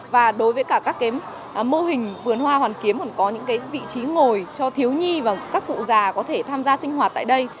và đối với cả các mô hình vườn hoa hoàn kiếm còn có những vị trí ngồi cho thiếu nhi và các cụ già có thể tham gia sinh hoạt tại đây